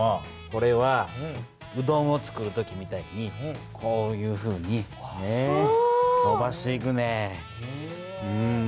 これはうどんをつくる時みたいにこういうふうにのばしていくねん。